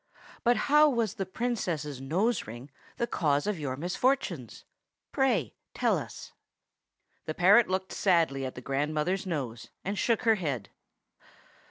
But how was the Princess's nose ring the cause of your misfortunes? Pray tell us." The parrot looked sadly at the grandmother's nose, and shook her head.